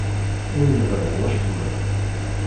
Ur yeḍṛi wacemma.